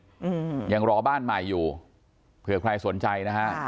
อืมยังรอบ้านใหม่อยู่เผื่อใครสนใจนะฮะค่ะ